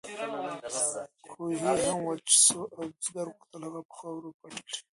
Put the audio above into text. کوهی هم وچ شوی و او بزګر غوښتل هغه په خاورو پټ کړي.